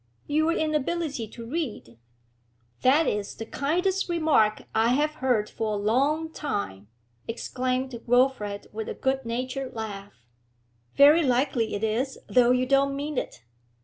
'Your inability to read.' 'That is the kindest remark I have heard for a long time!' exclaimed Wilfrid with a good natured laugh. 'Very likely it is, though you don't mean it.